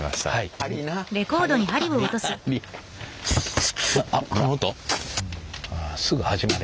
あすぐ始まる。